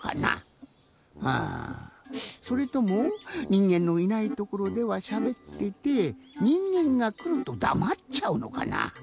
あそれともにんげんのいないところではしゃべっててにんげんがくるとだまっちゃうのかな。